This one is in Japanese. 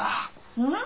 うん？